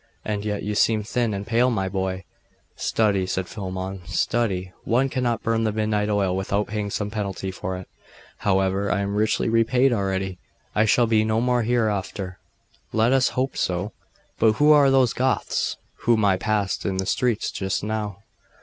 And yet you seem thin and pale, my boy.' 'Study,' said Philammon, 'study. One cannot burn the midnight oil without paying some penalty for it.... However, I am richly repaid already; I shall be more so hereafter.' 'Let us hope so. But who are those Goths whom I passed in the streets just now?